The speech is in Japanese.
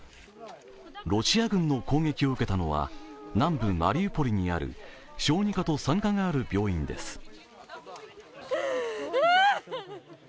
ロシア軍の攻撃を受けたのは、南部マリウポリにある小児科と産科がある病院です。